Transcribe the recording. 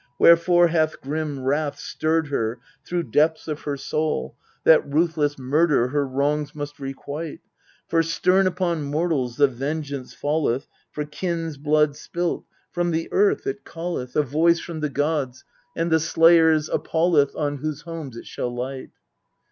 wherefore hath grim Wrath stirred her Through depths of her soul, that ruthless murder Her wrongs must requite ? For stern upon mortals the vengeance falleth For kin's blood spilt; from the earth it calleth, 1 Conjecturing irtrvn for manuscript ictrvftv. 284 EURIPI1 A voice from the gods, and the slayers appallcth On whose homes it shall light.